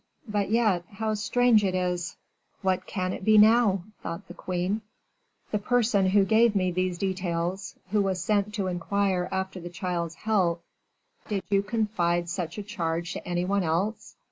But yet, how strange it is " "What can it now be?" thought the queen. "The person who gave me these details, who was sent to inquire after the child's health " "Did you confide such a charge to any one else?